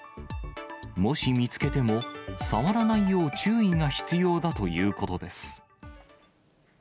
もし見つけても、触らないよう注意が必要だということです。